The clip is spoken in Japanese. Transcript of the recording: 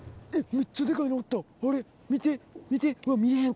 めっちゃデカいのおった。